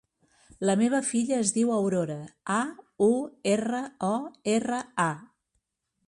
La meva filla es diu Aurora: a, u, erra, o, erra, a.